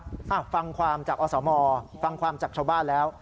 อ่ะฟังความจากอสมฟังความจากชาวบ้านแล้ว